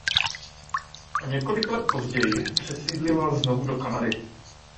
O několik let později přesídlila znovu do Kanady.